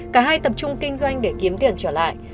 cả hai tập trung kinh doanh để kiếm tiền trở lại